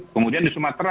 kemudian di sumatera